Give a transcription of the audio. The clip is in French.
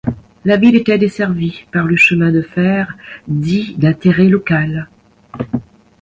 La ville était desservie par le chemin de fer dit d'intérêt local.